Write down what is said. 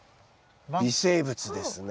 微生物ですね。